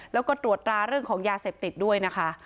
แล้วก็ตรวจราเรื่องของยาเสพติดด้วยนะคะ